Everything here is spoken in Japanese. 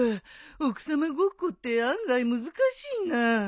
奥さまごっこって案外難しいな。